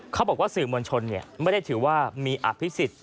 เขาบอกว่าสื่อมวลชนไม่ได้ถือว่ามีอภิษฎ